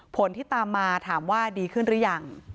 ผลที่ตามมาถามว่าดีขึ้นหรือยัง